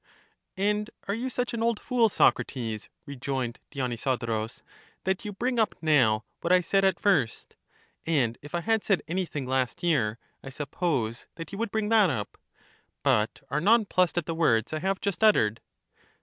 And are you such an old fool, Socrates, rejoined Dionysodorus, that you bring up now what I said at first — and if I had said anything last year, I sup pose that you would bring that up — but are non plussed at the words I have just uttered?